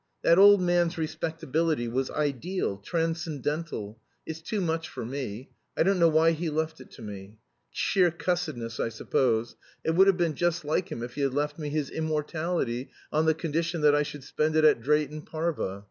That old man's respectability was ideal transcendental it's too much for me. I don't know why he left it to me. Sheer cussedness, I suppose. It would have been just like him if he had left me his immortality, on the condition that I should spend it at Drayton Parva.